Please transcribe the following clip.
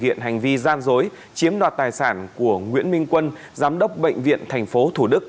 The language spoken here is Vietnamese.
hiện hành vi gian dối chiếm đoạt tài sản của nguyễn minh quân giám đốc bệnh viện tp thủ đức